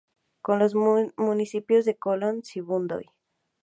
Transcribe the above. Con los municipios de Colón, Sibundoy.